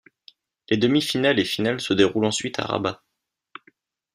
Les demi-finales et finale se déroulent ensuite à Rabat.